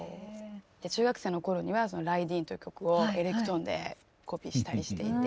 中学生の頃には「ライディーン」という曲をエレクトーンでコピーしたりしていて。